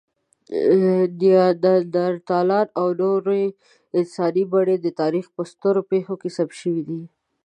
نیاندرتالان او نورې انساني بڼې د تاریخ په سترو پېښو کې ثبت شوي دي.